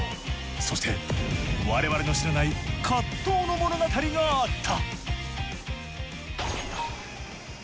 そして我々の知らない葛藤の物語があった。